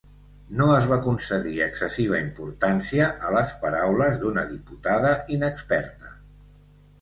No es va concedir excessiva importància a les paraules d'una diputada inexperta.